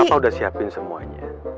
papa udah siapin semuanya